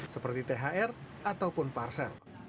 seperti thr ataupun parsel